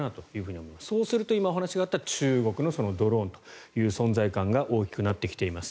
そうすると今、お話があった中国のドローンという存在感が大きくなってきています。